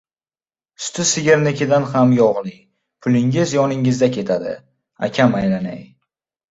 Suti sigirnikidan ham yog‘li. Pulingiz yoningizda ketadi, akam aylanay.